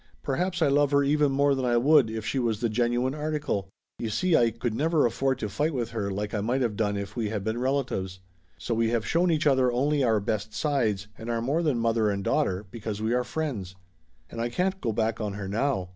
"Perhaps I love her even more than I would if she was the genu ine article. You see I could never afford to fight with her like I might of done if we had been relatives. So we have shown each other only our best sides and are more than mother and daughter, because we are friends. And I can't go back on her now.